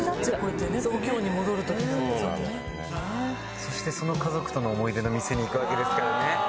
そしてその家族との思い出の店に行くわけですからね。